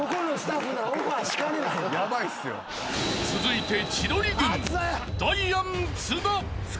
［続いて］